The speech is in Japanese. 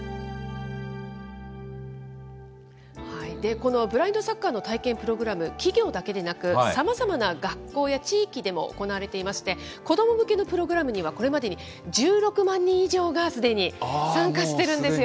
このブラインドサッカーの体験プログラム、企業だけでなく、さまざまな学校や地域でも行われていまして、子ども向けのプログラムには、これまでに１６万人以上がすでに参加しているんですよ。